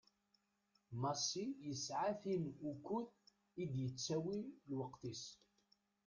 Massi yesɛa tin ukkud i d-yettawi lweqt-is.